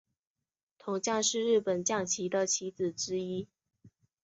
铜将是日本将棋的棋子之一。